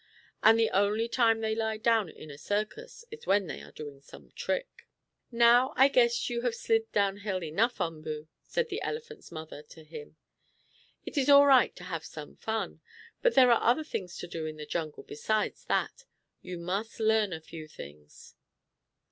And the only time they lie down in a circus is when they are doing some trick. "Now I guess you have slid down hill enough, Umboo," said the elephant's mother to him. "It is all right to have some fun, but there are other things to do in the jungle besides that. You must learn a few things."